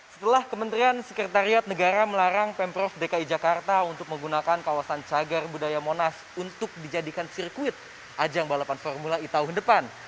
setelah kementerian sekretariat negara melarang pemprov dki jakarta untuk menggunakan kawasan cagar budaya monas untuk dijadikan sirkuit ajang balapan formula e tahun depan